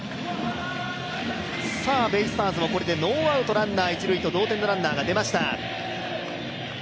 ベイスターズもこれでノーアウト一塁同点のランナーが出ました。